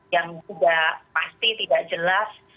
yang juga pasti tidak jelas